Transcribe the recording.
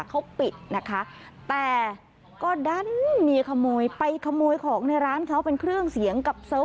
เขาปิดนะคะแต่ก็ดั้นเหี้ยขโมยไปขโมยของในร้านเขาเป็นเครื่องเสียง